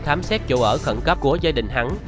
khám xét chỗ ở khẩn cấp của gia đình hắn